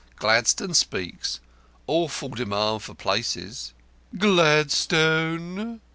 Gladstone speaks. Awful demand for places." "Gladstone!"